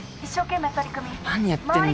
何やってんだよ